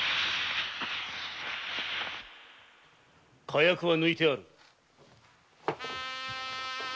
・火薬は抜いてある。